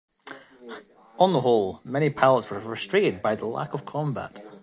On the whole, many pilots were frustrated by the lack of combat.